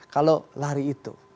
kalau lari itu